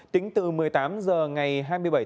tính từ một mươi tám h ngày hai mươi hai h đến hai mươi ba h